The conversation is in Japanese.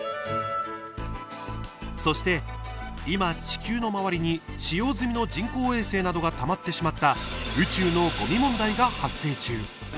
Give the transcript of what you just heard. そして、今、地球の周りに使用済みの人工衛星などがたまってしまった宇宙のゴミ問題が発生中。